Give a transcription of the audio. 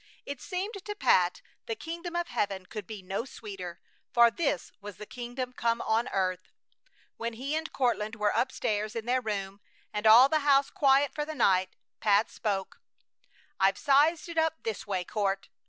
It seemed to Pat the kingdom of heaven could be no sweeter, for this was the kingdom come on earth. When he and Courtland were up stairs in their room, and all the house quiet for the night, Pat spoke: "I've sized it up this way, Court.